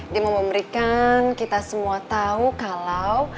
dia memberikan kita semua tau kalau